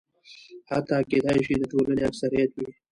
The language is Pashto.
حتی کېدای شي د ټولنې اکثریت وي.